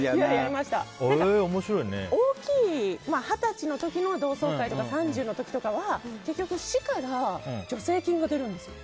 大きい、二十歳の時の同窓会とか３０の時とかは結局市から助成金が出るんですよ。